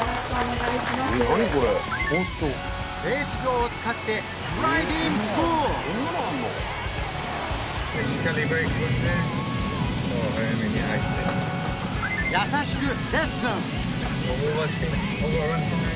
レース場を使ってドライビングスクール優しくレッスン